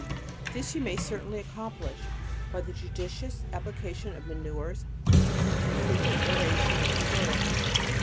This you may very certainly ac complish, by the judicious application of ma nures, and frequent aeration of the soil.